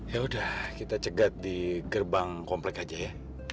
yaudah kita cegat di gerbang kompleks aja ya